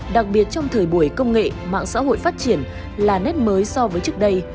đặc biệt trong thời buổi công nghệ mạng xã hội phát triển là nét mới so với trước đây